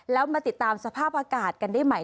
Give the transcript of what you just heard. แล้วมาติดตามสภาพอากาศกันได้ใหม่